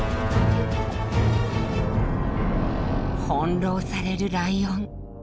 翻弄されるライオン。